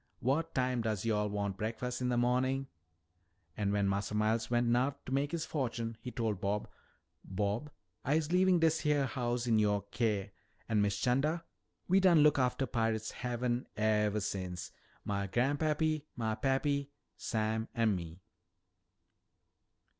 W'at time does yo'all wan' breakfas' in de mornin'?' An' wen Massa Miles wen' no'th to mak' his fo'tune, he told Bob, 'Bob, I'se leavin' dis heah hous' in youah keer.' An', Miss 'Chanda, we done look aftah Pirate's Haven evah since, mah gran'pappy, mah pappy, Sam an' me."